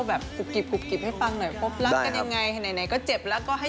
เมื่อวานเราเจอกันไปแล้ว